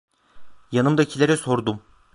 Yanımdakilere sordum.